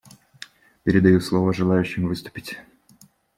Передаю слово желающим выступить.